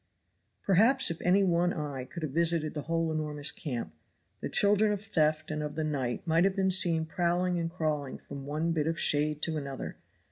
Perhaps if any one eye could have visited the whole enormous camp, the children of theft and of the night might have been seen prowling and crawling from one bit of shade to another.